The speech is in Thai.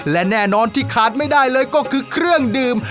และแน่นอนที่ขาดไม่ได้เลยก็คือเครื่องดื่ม